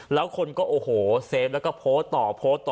แล้วคนก็โอ้โหเซฟแล้วก็โพสต์ต่อโพสต์ต่อ